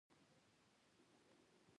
مالګه باد باد شوه.